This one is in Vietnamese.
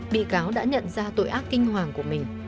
bị cáo đã nhận ra tội ác kinh hoàng của mình